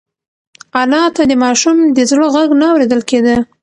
انا ته د ماشوم د زړه غږ نه اورېدل کېده.